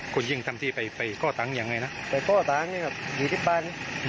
คนยิ่งทำที่ไปก้อตังค์ยังไงนะไปก้อตังค์อยู่ที่บ้าน